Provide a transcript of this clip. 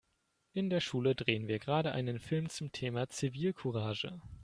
In der Schule drehen wir gerade einen Film zum Thema Zivilcourage.